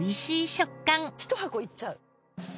ひと箱いっちゃう。